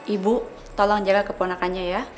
ibu tolong jaga keponakannya ya